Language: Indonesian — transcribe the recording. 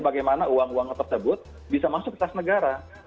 bagaimana uang uang tersebut bisa masuk ke tas negara